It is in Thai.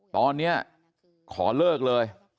ตอนนี้ขอเลิกเลย